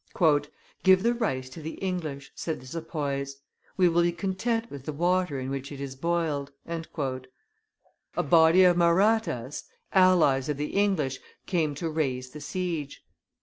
"Give the rice to the English," said the sepoys; "we will be content with the water in which it is boiled." A body of Mahrattas, allies of the English, came to raise the siege.